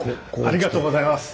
ありがとうございます。